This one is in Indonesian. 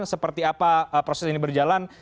seperti apa proses ini berjalan